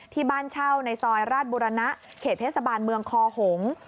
ที่บ้านเช่าในซอยราชบุรณะเขตเทศบาลเมืองคอหงษ์